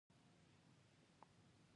• د ورځې لمونځ د الله د رحمت دروازه ده.